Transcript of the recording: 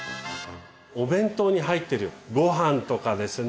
お弁当に入ってるごはんとかですね